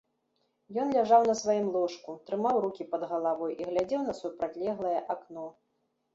Ён ляжаў на сваім ложку, трымаў рукі пад галавой і глядзеў на супрацьлеглае акно.